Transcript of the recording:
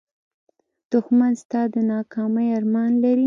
دښمن ستا د ناکامۍ ارمان لري